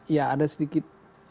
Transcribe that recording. ya ada sedikit